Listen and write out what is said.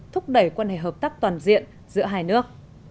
thúc đẩy quan hệ hợp tác toàn diện giữa hai nước